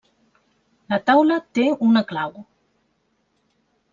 La taula té una clau.